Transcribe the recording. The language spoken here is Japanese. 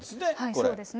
そうですね。